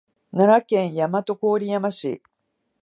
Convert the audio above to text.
奈良県大和郡山市